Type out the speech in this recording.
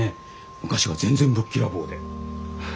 昔は全然ぶっきらぼうで。